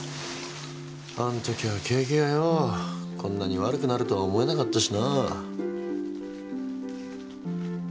あんときは景気がようこんなに悪くなるとは思えなかったしなぁ。